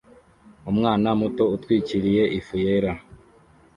Umwana muto utwikiriye ifu yera